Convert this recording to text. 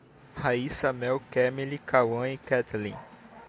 Raíça, Mel, Kemily, Kawan e Ketelen